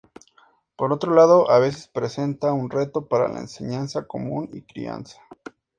Por otro lado, a veces presenta un reto para la enseñanza común y crianza.